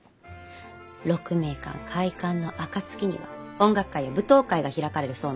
鹿鳴館開館の暁には音楽会や舞踏会が開かれるそうなんだけど。